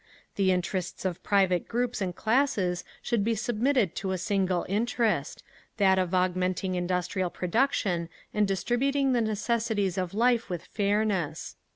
"The interests of private groups and classes should be submitted to a single interest—that of augmenting industrial production, and distributing the necessities of life with fairness….